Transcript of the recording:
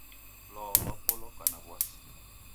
Lwau lwapo loka na w'asi.